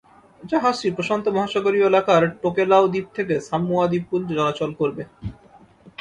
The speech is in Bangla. জাহাজটি প্রশান্ত মহাসাগরীয় এলাকার টোকেলাউ দ্বীপ থেকে সামোয়া দ্বীপপুঞ্জে চলাচল করবে।